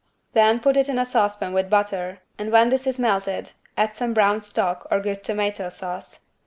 Then put it in a saucepan with butter, and when this is melted, add some brown stock or good tomato sauce.